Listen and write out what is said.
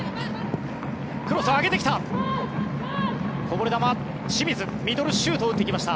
クロスを上げてきた！